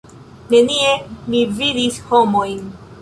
Nenie mi vidis homojn.